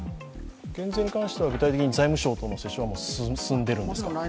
減税に関しては、具体的に財務省とは進んでいるんですか？